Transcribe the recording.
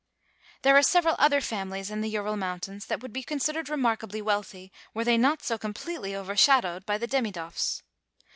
There are several other families in the Ural mountains that would be considered remarkably wealthy were they not so completely over shadow''ed by the Demidoffs.